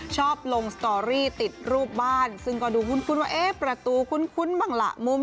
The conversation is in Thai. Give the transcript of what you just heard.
ชอบลงสตอรี่ติดรูปบ้านซึ่งก็ดูคุ้นว่าเอ๊ะประตูคุ้นบ้างล่ะมุม